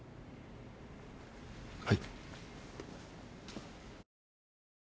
はい。